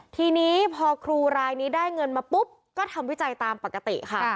ทีนี้พอครูรายนี้ได้เงินมาปุ๊บก็ทำวิจัยตามปกติค่ะ